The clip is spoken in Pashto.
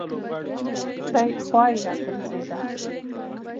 دی خوا يې راګرځېده.